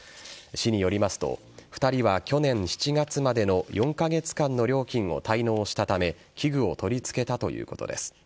市によりますと２人は去年７月までの４カ月間の料金を滞納したため器具を取り付けたということです。